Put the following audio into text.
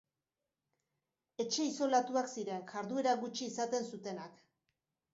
Etxe isolatuak ziren, jarduera gutxi izaten zutenak.